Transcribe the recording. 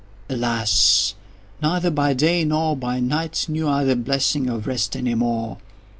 Alas! neither by day nor by night knew I the blessing of rest any more!